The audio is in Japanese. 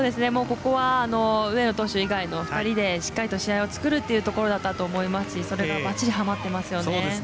ここは上野投手以外の２人でしっかりと試合を作るっていうところだと思いますしそれがばっちりはまってますね。